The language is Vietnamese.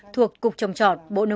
thuộc cục trồng trọt bộ nông nghiệp